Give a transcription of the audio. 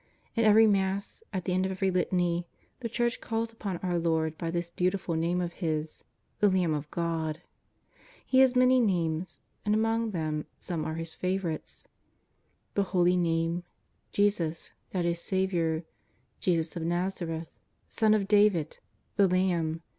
In every Mass, at the end of every litany, the Church calls upon our Lord by this beautiful name of His, " the Lamb of God." He has many names, and among them some are His favourites — the Holy 'Name, " JESUS," that is Saviour, " Jesus of Nazareth," " Son of David," " the Lamb."